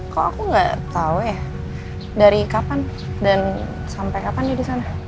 kok aku gak tau ya dari kapan dan sampai kapan dia di sana